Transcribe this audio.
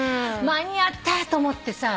間に合ったと思ってさ。